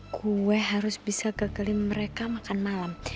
gue harus bisa kekeliling mereka makan malam